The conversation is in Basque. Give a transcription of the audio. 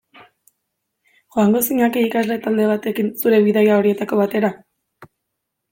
Joango zinateke ikasle talde batekin zure bidaia horietako batera?